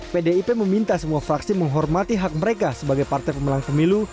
pdip meminta semua fraksi menghormati hak mereka sebagai partai pemenang pemilu